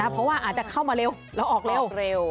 เพราะว่าอาจจะเข้ามาเร็วแล้วออกเร็ว